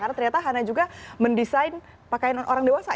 karena ternyata hanna juga mendesign pakaian orang dewasa ya